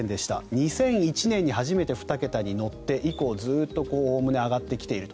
２００１年に初めて２桁に乗って以降ずっと上がってきていると。